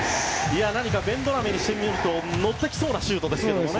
ベンドラメにしてみると乗ってきそうなシュートですね。